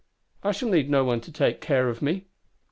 "I shall need no one to take care of me."